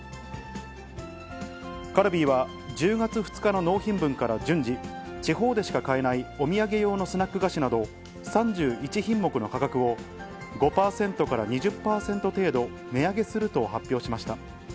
カルビーは、１０月２日の納品分から順次、地方でしか買えないお土産用のスナック菓子など、３１品目の価格を５％から２０％程度、値上げすると発表しました。